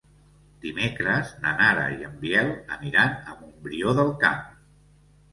Dimecres na Nara i en Biel aniran a Montbrió del Camp.